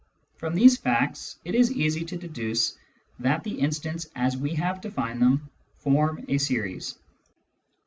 From these facts it i^ easy to deduce that the instants as we have defined them form a series.